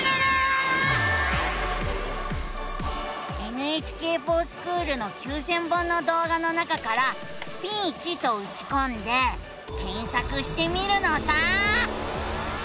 「ＮＨＫｆｏｒＳｃｈｏｏｌ」の９，０００本の動画の中から「スピーチ」とうちこんで検索してみるのさ！